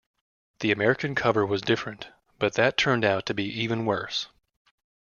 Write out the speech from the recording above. The American cover was different, but that turned out to be even worse!